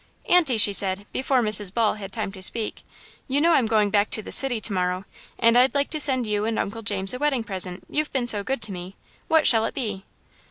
"Aunty," she said, before Mrs. Ball had time to speak, "you know I'm going back to the city to morrow, and I'd like to send you and Uncle James a wedding present you've been so good to me. What shall it be?"